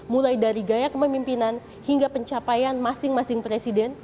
mulai dari gaya kepemimpinan hingga pencapaian masing masing presiden